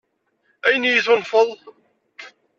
Ayen i yi-tunfeḍ?